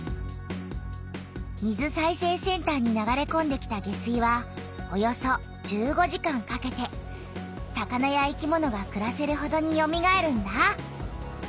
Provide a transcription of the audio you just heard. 水再生センターに流れこんできた下水はおよそ１５時間かけて魚や生きものがくらせるほどによみがえるんだ。